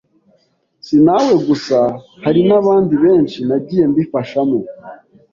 si nawe gusa hari n’abandi benshi nagiye mbifashamo